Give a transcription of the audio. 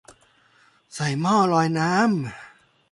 ใส่หม้อลอยน้ำ